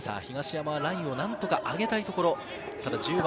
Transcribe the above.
東山はラインを何とか上げたいところ。